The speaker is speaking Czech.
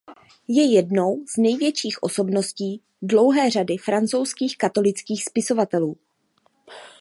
Je jednou z největších osobností dlouhé řady francouzských katolických spisovatelů.